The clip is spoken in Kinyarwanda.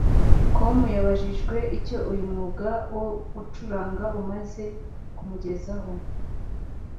com yabajijwe icyo uyu mwuga wo gucuranga umaze kumugezaho